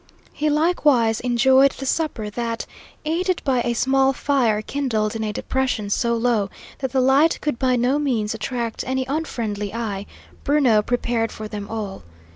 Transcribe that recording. He likewise enjoyed the supper that, aided by a small fire kindled in a depression so low that the light could by no means attract any unfriendly eye, Bruno prepared for them all.